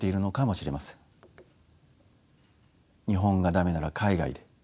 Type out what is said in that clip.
「日本が駄目なら海外で」。